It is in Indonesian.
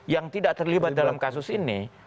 yang tidak terlibat dalam kasus ini